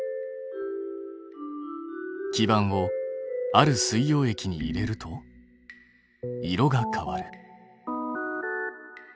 基板をある水溶液に入れると色が変わる。